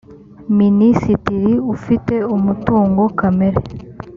minisitiri ufite umutungo kamere